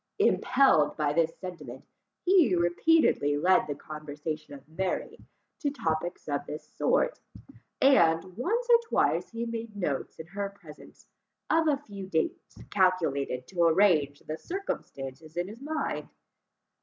Impelled by this sentiment, he repeatedly led the conversation of Mary to topics of this sort; and, once or twice, he made notes in her presence, of a few dates calculated to arrange the circumstances in his mind.